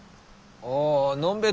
ああのんべえ